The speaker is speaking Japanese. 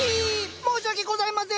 申し訳ございません！